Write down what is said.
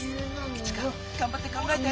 イチカがんばって考えて。